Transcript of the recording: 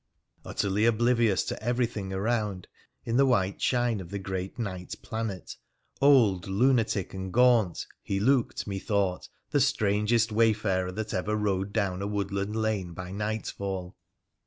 Utterly oblivious to everything around, in the white shine of the great night planet, old, lunatic, and gaunt, he looked, methought, the strangest way farer that ever rode down a woodland lane by nightfall.